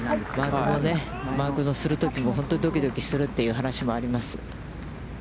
マークをするときも本当にどきどきするという話もあります。